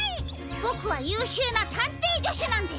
ボクはゆうしゅうなたんていじょしゅなんです。